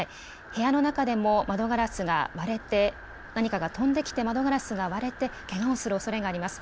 部屋の中でも窓ガラスが割れて、何かが飛んできて窓ガラスが割れて、けがをするおそれがあります。